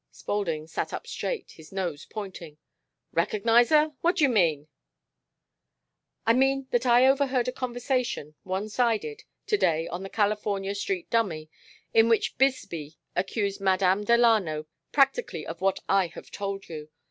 Spaulding sat up straight, his nose pointing. "Recognize her? What d'you mean?" "I mean that I overheard a conversation one sided to day on the California Street dummy, in which Bisbee accused Madame Delano practically of what I have told you.